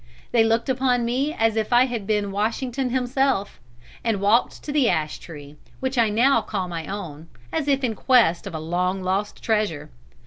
They looked upon me as if I had been Washington himself, and walked to the ash tree, which I now called my own, as if in quest of a long lost treasure.